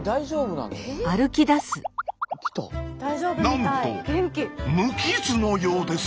なんと無傷のようです！